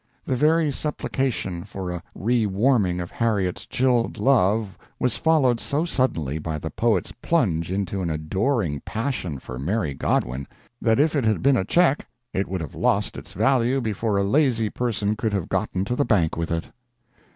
The very supplication for a rewarming of Harriet's chilled love was followed so suddenly by the poet's plunge into an adoring passion for Mary Godwin that if it had been a check it would have lost its value before a lazy person could have gotten to the bank with it.